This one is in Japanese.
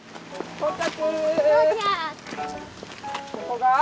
到着！